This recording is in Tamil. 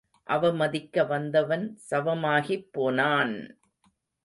அவமதிக்க வந்தவன் சவமாகிப் போனான்!